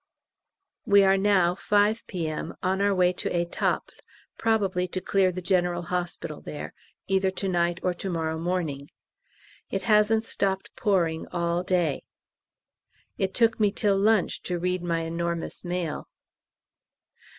We are now 5 P.M. on our way to Étaples, probably to clear the G.H. there, either to night or to morrow morning. It hasn't stopped pouring all day. It took me till lunch to read my enormous mail.